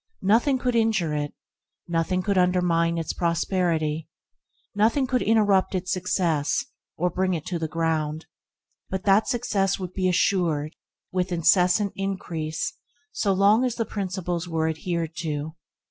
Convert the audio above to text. Nothing could injure it; nothing could undermine its prosperity, nothing could interrupt its success, or bring it to the ground; but that success would be assured with incessant increase so long as the principles were adhered to.